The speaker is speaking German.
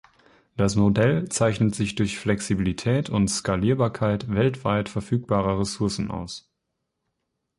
Das Modell zeichnet sich durch Flexibilität und Skalierbarkeit weltweit verfügbarer Ressourcen aus.